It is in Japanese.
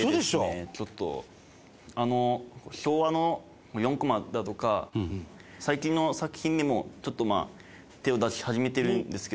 颯喜君：昭和の４コマだとか最近の作品にもちょっと、まあ手を出し始めてるんですけども。